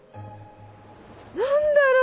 何だろう？